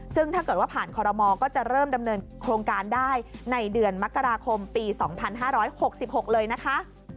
ซึ่งถ้าเกิดว่าผ่านคอรมอลก็จะเริ่มดำเนินโครงการได้ในเดือนมกราคมปี๒๕๖๖เลยนะคะ